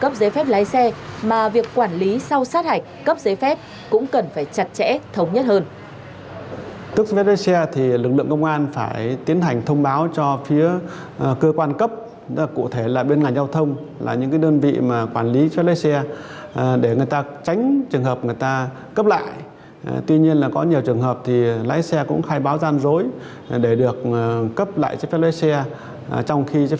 cấp giấy phép lái xe mà việc quản lý sau sát hạch cấp giấy phép cũng cần phải chặt chẽ thống nhất hơn